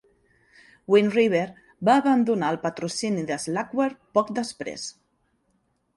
Wind River va abandonar el patrocini de Slackware poc després.